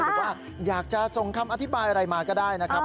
หรือว่าอยากจะส่งคำอธิบายอะไรมาก็ได้นะครับ